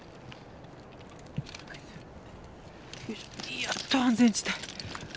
やっと安全地帯。